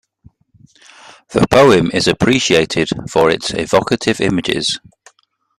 The poem is appreciated for its evocative images.